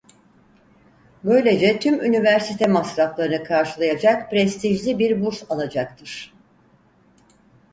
Böylece tüm üniversite masraflarını karşılayacak prestijli bir burs alacaktır.